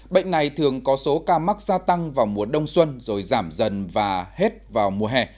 bệnh này thường có số ca mắc gia tăng vào mùa đông xuân rồi giảm dần và hết vào mùa hè